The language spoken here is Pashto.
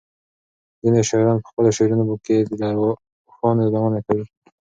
ځینې شاعران په خپلو شعرونو کې له اوښانو یادونه کوي.